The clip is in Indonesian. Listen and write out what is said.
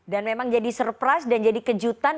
dan memang jadi surprise dan jadi kejutan